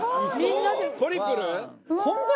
トリプル！？